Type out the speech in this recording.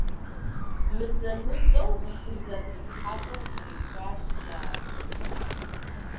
Мызэ-мытӀэу псэзэпылъхьэпӀэ сыкърихащ сэ абы.